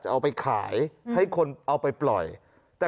เอามาคืนกว่า